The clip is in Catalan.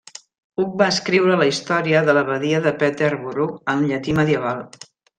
Hug va escriure la història de l'abadia de Peterborough en llatí medieval.